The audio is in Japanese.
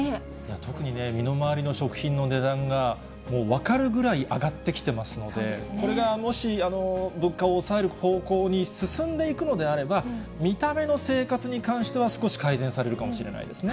特に身の回りの食品の値段が、もう分かるぐらい上がってきてますので、これがもし物価を抑える方向に進んでいくのであれば、見た目の生活に関しては、少し改善されるかもしれないですね。